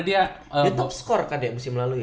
dia dia top score kan ya musim lalu ya